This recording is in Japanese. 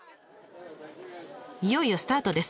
いよいよスタートです。